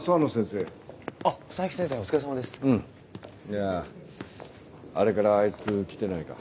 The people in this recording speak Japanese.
いやぁあれからあいつ来てないか？